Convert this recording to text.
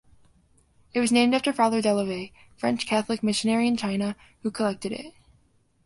It was named after Father Delavay, French Catholic missionary in China, who collected it.